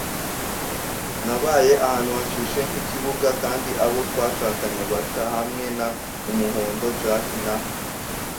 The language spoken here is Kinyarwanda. Nabaye ahantu hashyushye nk'ikibuga, kandi abo twashakanye bata hamwe na Umuhondo Jack, na